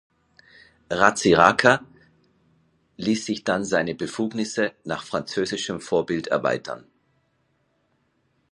Ratsiraka ließ sich dann seine Befugnisse nach französischem Vorbild erweitern.